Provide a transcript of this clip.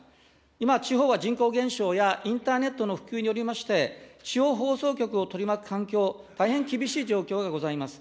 今、地方は、人口減少やインターネットの普及によりまして、地方放送局を取り巻く環境、大変厳しい状況がございます。